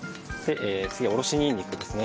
次おろしにんにくですね。